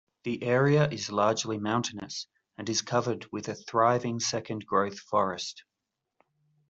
The area is largely mountainous and is covered with a thriving second growth forest.